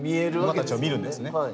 馬たちを見るんですね。